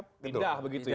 pindah begitu ya